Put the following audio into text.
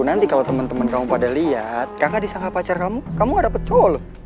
nanti kalo temen temen kamu pada liat kakak disangka pacar kamu kamu gak dapet cowok loh